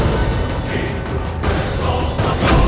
aku tidak tahu